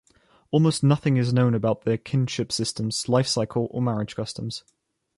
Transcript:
Almost nothing is known about their kinship systems, life cycle, or marriage customs.